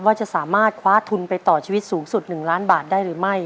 ว่าจะสามารถคว้าทุนไปต่อชีวิตสูงสุด๑ล้านบาทได้หรือไม่